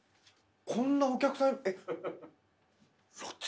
こんなお客さん。